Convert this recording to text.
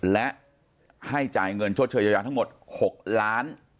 และให้จ่ายเงินชดเชยเยียวยาทั้งหมด๖ล้าน